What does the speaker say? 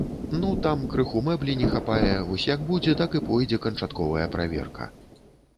Ну, там крыху мэблі не хапае, вось як будзе, так і пойдзе канчатковая праверка.